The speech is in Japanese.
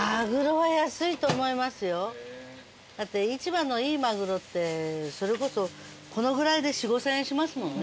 だって市場のいいマグロってそれこそこのくらいで４，０００５，０００円しますものね。